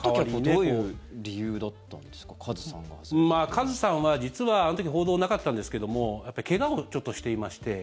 カズさんは実は、あの時報道なかったんですけども怪我をちょっとしていまして。